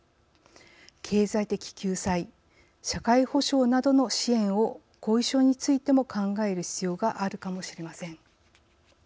経済的救済社会保障などの支援を後遺症についても考える必要があるかもしれません。